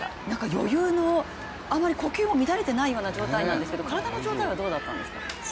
余裕の、あまり呼吸も乱れてないようなんですけど体の状態はどうだったんですか？